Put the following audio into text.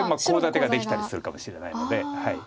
コウ立てができたりするかもしれないので。